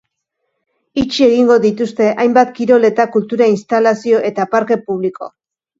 Itxi egingo dituzte hainbat kirol eta kultura instalazio eta parke publiko.